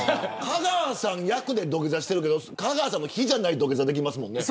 香川さん、役で土下座するけど香川さんの比じゃない土下座できますもんね。